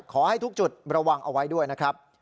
ขอให้ทุกจุดระวังเอาไว้ด้วยนะครับ